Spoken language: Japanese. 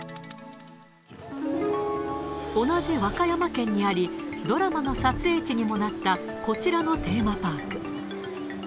同じ和歌山県にあり、ドラマの撮影地にもなったこちらのテーマパーク。